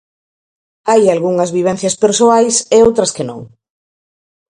"Hai algunhas vivencias persoais e outras que non".